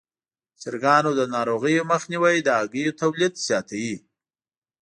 د چرګانو د ناروغیو مخنیوی د هګیو تولید زیاتوي.